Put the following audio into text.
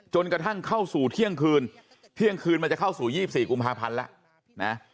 กระทั่งเข้าสู่เที่ยงคืนเที่ยงคืนมันจะเข้าสู่๒๔กุมภาพันธ์แล้วนะ